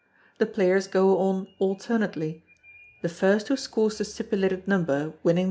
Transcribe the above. The players go on alternately, the first who scores the stipulated number winning the game.